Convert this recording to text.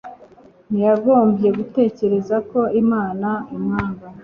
ntiyagombye gutekereza ko imana imwanga